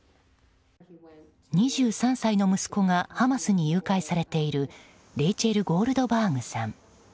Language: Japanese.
２３歳の息子がハマスに誘拐されているレイチェル・ゴールドバーグさん。